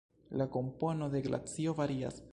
La kompono de glacio varias.